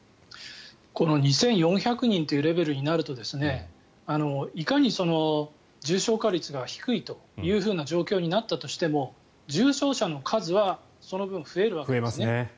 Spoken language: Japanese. この２４００人というレベルになるといかに重症化率が低いという状況になったとしても重症者の数はその分、増えるわけですね。